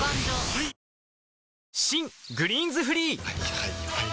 はいはいはいはい。